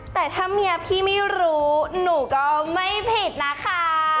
แต่ถ้าเมียพี่ไม่รู้หนูก็ไม่ผิดนะคะ